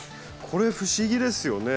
これ不思議ですよね。